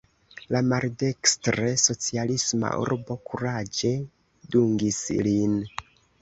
La maldekstre socialisma urbo kuraĝe dungis lin.